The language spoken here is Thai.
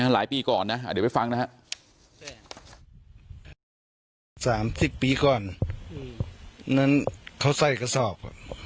หลายปีก่อนนะเดี๋ยวไปฟังนะฮะ